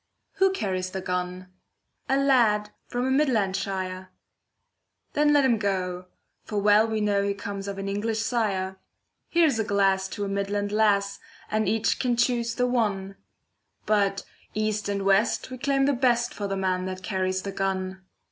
Who carries the gun? A lad from a Midland shire. Then let him go, for well we know He comes of an English sire. Here's a glass to a Midland lass, And each can choose the one, But east and west we claim the best For the man that carries the gun.